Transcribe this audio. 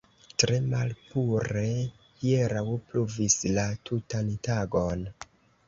Tre malpure; hieraŭ pluvis la tutan tagon.